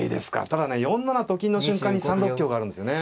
ただね４七と金の瞬間に３六香があるんですよね。